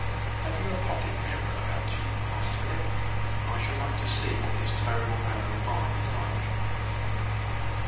"Have you a pocket mirror about you?" asked Philip. "I should like to see what this terrible manner of mine is like."